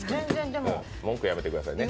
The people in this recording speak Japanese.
文句はやめてくださいね。